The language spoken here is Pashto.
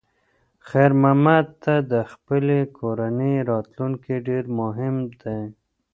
خیر محمد ته د خپلې کورنۍ راتلونکی ډېر مهم دی.